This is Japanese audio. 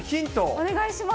お願いします。